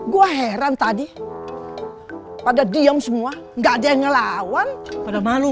gua heran tadi pada diam semua nggak ada yang ngelawan pada malu